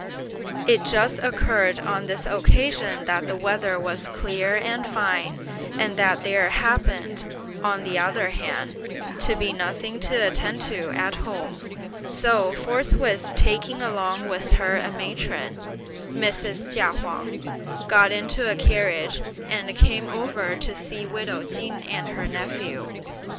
It just occurred on this occasion that the weather was clear and fine, and that there happened, on the other hand, to be nothing to attend to at home, so forthwith taking along with her a matron, (Mrs. Chia Huang) got into a carriage and came over to see widow Chin and her nephew.